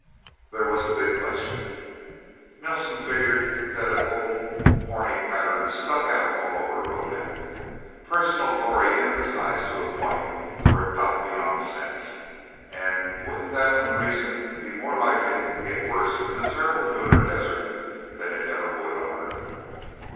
There was the big question. Nelsen figured that an old, corny pattern stuck out all over Rodan. Personal glory emphasized to a point where it got beyond sense. And wouldn't that unreason be more likely to get worse in the terrible lunar desert than it ever would on Earth?